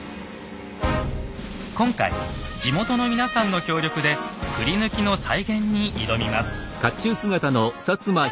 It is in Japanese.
今回地元の皆さんの協力で繰ヌキの再現に挑みます。